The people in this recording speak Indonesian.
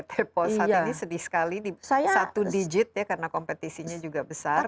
tepo saat ini sedih sekali di satu digit ya karena kompetisinya juga besar